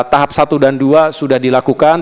tahap satu dan dua sudah dilakukan